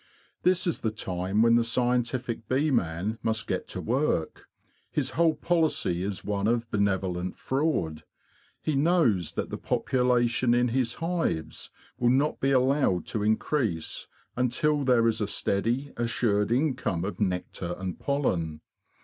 This is the time when the scientific bee man must get to work. His whole policy is one of benevolent fraud. He knows that the population in his hives will not be allowed to increase until there is a steady, assured income of nectar and pollen.